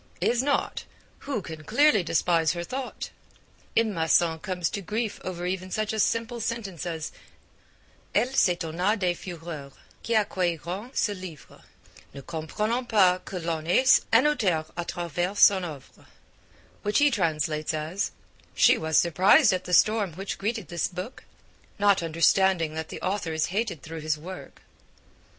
is not 'who can clearly despise her thought?' M. Masson comes to grief over even such a simple sentence as 'elle s'etonna des fureurs qui accueillirent ce livre, ne comprenant pas que l'on haisse un auteur a travers son oeuvre,' which he translates 'she was surprised at the storm which greeted this book, not understanding that the author is hated through his work.'